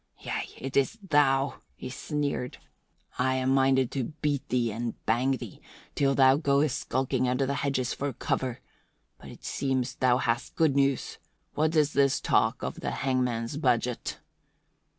"Yea, it is thou," he sneered. "I am minded to beat thee and bang thee till thou goest skulking under the hedges for cover. But it seems thou hast good news. What is this talk of the hangman's budget?"